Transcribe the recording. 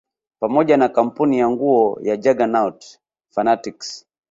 Pamoja na kampuni ya nguo ya Juggernaut fanatics